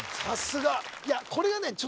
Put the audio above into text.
さすがこれがね